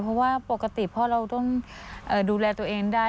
เพราะว่าปกติพ่อเราต้องดูแลตัวเองได้